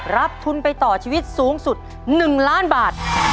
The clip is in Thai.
รับทุนไปต่อชีวิตสูงสุด๑ล้านบาท